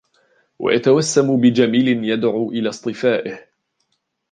وَيَتَوَسَّمُ بِجَمِيلٍ يَدْعُو إلَى اصْطِفَائِهِ